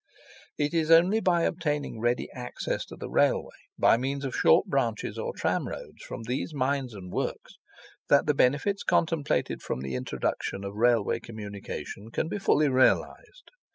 It is only by obtaining ready access to the Railway by means of short branches or tramroads from those mines and works, that the benefits contemplated from the introduction of Railway communication can be fully realized.